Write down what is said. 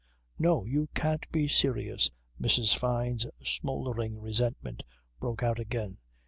"No! You can't be serious," Mrs. Fyne's smouldering resentment broke out again.